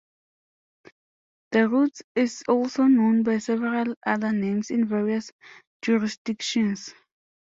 The route is also known by several other names in various jurisdictions.